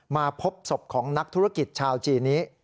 มาพบศพของนักธุรกิจชาวจีนนี้